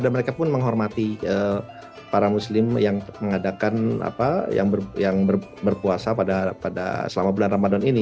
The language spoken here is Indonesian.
dan mereka pun menghormati para muslim yang berpuasa selama bulan ramadan